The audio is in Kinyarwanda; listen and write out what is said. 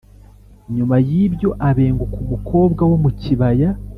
Nyuma y’ibyo abenguka umukobwa wo mu kibaya